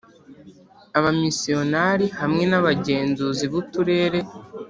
abamisiyonari hamwe nabagenzuzi buturere